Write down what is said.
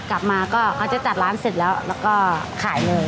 กลับมาก็เขาจะจัดร้านเสร็จแล้วแล้วก็ขายเลย